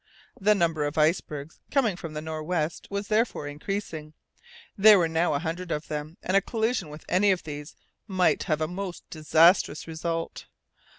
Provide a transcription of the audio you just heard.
The number of icebergs coming from the nor' west was therefore increasing; there were now a hundred of them, and a collision with any of these might have a most disastrous result.